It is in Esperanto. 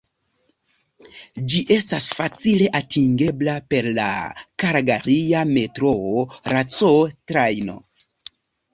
Ĝi estas facile atingebla per la kalgaria metroo, la C-Trajno.